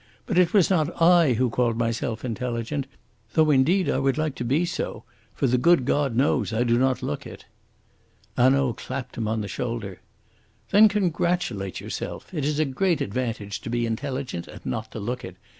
"But it was not I who called myself intelligent. Though indeed I would like to be so, for the good God knows I do not look it." Hanaud clapped him on the shoulder. "Then congratulate yourself! It is a great advantage to be intelligent and not to look it.